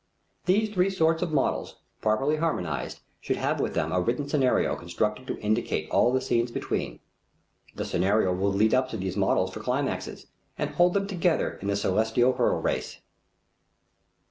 These three sorts of models, properly harmonized, should have with them a written scenario constructed to indicate all the scenes between. The scenario will lead up to these models for climaxes and hold them together in the celestial hurdle race.